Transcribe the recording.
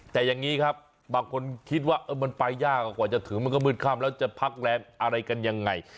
แต่อย่างนี้ครับบางคนคิดว่ามันไปยากกว่าจะถึงมันก็มืดค่ำแล้วจะพักแรงอะไรกันยังไง